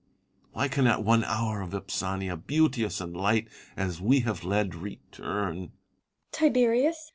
13 Why cannot one hour, Vipsania, beauteous and light as we have led, return % Vipsania. Tiberius